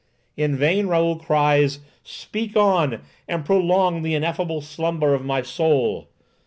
In vain Raoul cries, "Speak on, and prolong the ineffable slumber of my soul."